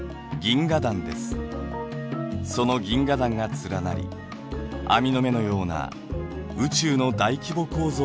その銀河団が連なり網の目のような宇宙の大規模構造を作っています。